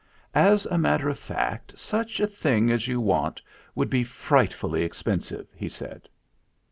"As a matter of fact, such a thing as you want would be frightfully expensive," he said.